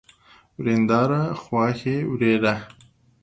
ورېنداره ، خواښې، ورېره